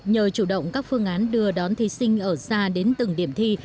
nhờ chủ động các phương án đưa đón thí sinh ở xa đến từng điểm thi